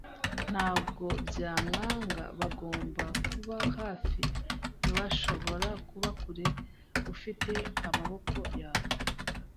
Ntabwo byamwanga. Bagomba kuba hafi; ntibashobora kuba kure; ufite amaboko yawe